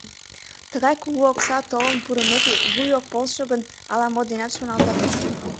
— Тыгай кугу окса толын пурымеке, вуй ок полшо гын, ала-мо денат шоналтат...